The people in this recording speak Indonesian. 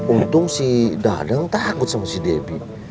untung si dadang takut sama si deby